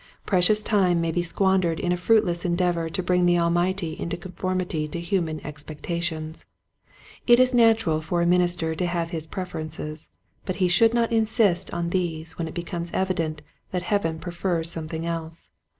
Precious time may be squandered in a fruitless endeavor to bring the Almighty into conformity to human expectations. It is natural for a minister to have his preferences, but he should not insist on these when it becomes evident that Heaven prefers something else.